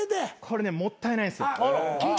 これねもったいないっすよ。